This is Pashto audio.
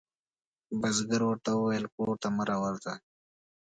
بزګر ورته وویل کور ته مه ورځه.